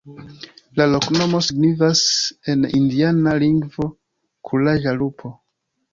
La loknomo signifas en indiana lingvo: kuraĝa lupo.